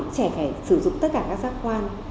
trẻ phải sử dụng tất cả các giác quan